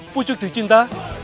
pujuk di cinta